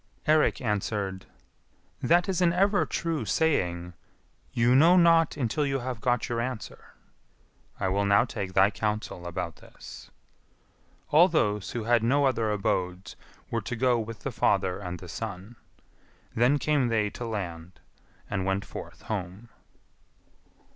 Eirik answered, "That is an ever true saying, 'You know not until you have got your answer.' I will now take thy counsel about this." All those who had no other abodes were to go with the father and the son. Then came they to land, and went forth home.